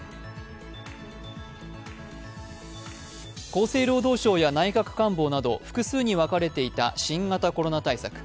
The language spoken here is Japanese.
厚生労働省や内閣官房など複数に分かれていた新型コロナ対策。